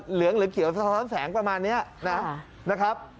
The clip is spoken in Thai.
เหลืองหรือเขียวสะท้อนแสงประมาณนี้นะครับ